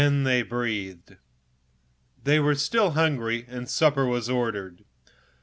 They breathed freely, All were still hungry; so supper was ordered.